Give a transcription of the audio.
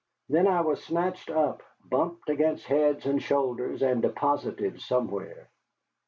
Then I was snatched up, bumped against heads and shoulders, and deposited somewhere.